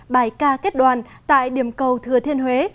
bài ca kết đoàn tại điểm cầu thừa thiên huế